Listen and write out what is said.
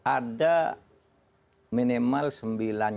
ada minimal sembilan